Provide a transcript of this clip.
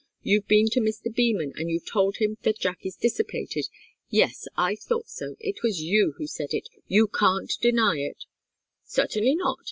You've been to Mr. Beman, and you've told him that Jack is dissipated. Yes I thought so it was you who said it. You can't deny it." "Certainly not!"